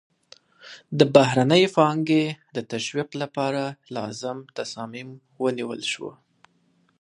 د بهرنۍ پانګې د تشویق لپاره لازم تصامیم ونیول شي.